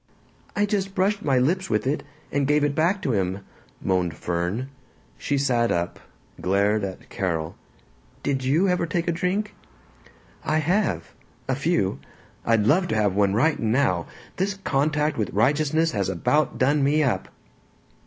"I just brushed my lips with it, and gave it back to him," moaned Fern. She sat up, glared at Carol. "Did you ever take a drink?" "I have. A few. I'd love to have one right now! This contact with righteousness has about done me up!"